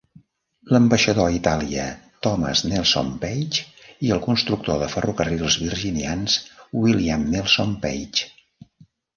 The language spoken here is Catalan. L'ambaixador a Itàlia Thomas Nelson Page i el constructor de ferrocarrils Virginians William Nelson Page.